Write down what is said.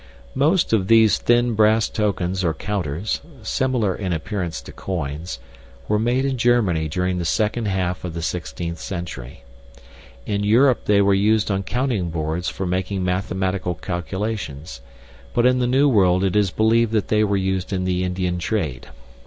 Most of these thin brass tokens or counters (similar in appearance to coins) were made in Germany during the second half of the 16th century. In Europe they were used on counting boards for making mathematical calculations, but in the New World it is believed that they were used in the Indian trade.